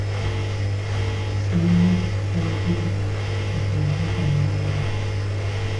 Sinnalaba ku ssentebe kati omwaka mulamba.